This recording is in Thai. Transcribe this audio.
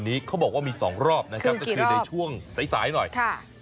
เขาบอกว่ามีสองรอบนะครับก็คือในช่วงสายสายหน่อยค่ะ